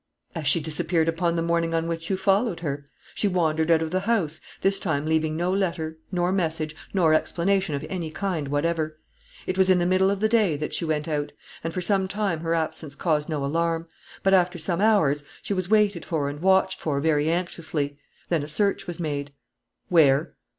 "As she disappeared upon the morning on which you followed her. She wandered out of the house, this time leaving no letter, nor message, nor explanation of any kind whatever. It was in the middle of the day that she went out; and for some time her absence caused no alarm. But, after some hours, she was waited for and watched for very anxiously. Then a search was made." "Where?"